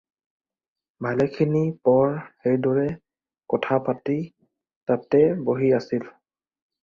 ভালেখিনি পৰ সেইদৰে কথা পাতি তাতে বহি আছিল।